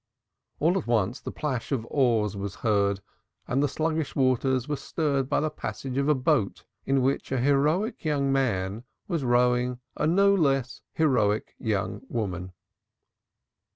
All at once the splash of oars was heard and the sluggish waters were stirred by the passage of a boat in which a heroic young man was rowing a no less heroic young woman.